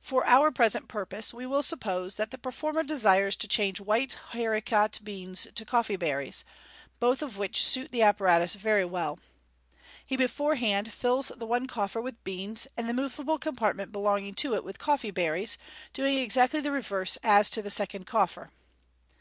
For our present purpose we will suppose that the performer desires to change white haricot beans to coffee berries, both of which suit the apparatus very well. He beforehand fills the one coffer with beans, and the moveable compartment belonging to it with coffee berries, doing exactly the reverse as to the second coffer.